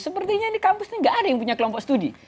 sepertinya ini kampus ini gak ada yang punya kelompok studi